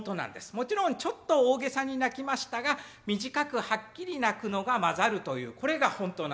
もちろんちょっと大げさに鳴きましたが短くはっきり鳴くのが混ざるというこれが本当なんですね。